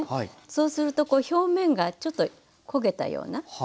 そうするとこう表面がちょっと焦げたような。